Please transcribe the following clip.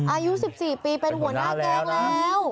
อายุ๑๔ปีเป็นหัวหน้าแก๊งแล้ว